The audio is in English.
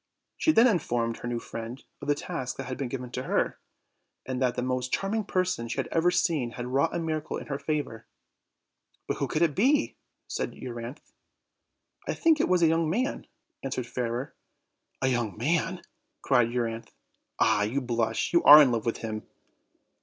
She then informed her new friend of the task that had been given her, and that tne most charming person she had ever seen had wrought a miracle in her favor. 'But who could it be?" said Euryanthe. "I think it was a young man," answered Fairer. "A young man!" cried Euryanthe; "ah! you blush; you are in love with him."